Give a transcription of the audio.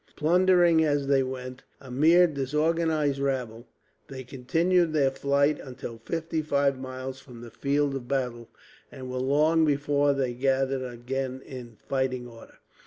Plundering as they went, a mere disorganized rabble, they continued their flight until fifty five miles from the field of battle, and were long before they gathered again in fighting order.